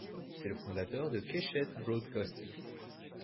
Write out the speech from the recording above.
C'est le fondateur de Keshet Broadcasting.